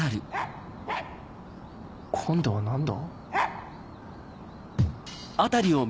今度は何だ？